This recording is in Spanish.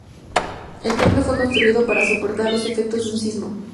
El templo fue construido para soportar los efectos de un sismo.